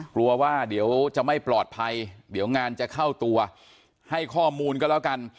กลัวว่าเดี๋ยวจะไม่ปลอดภัยเดี๋ยวงานจะเข้าตัวให้ข้อมูลก็แล้วกัน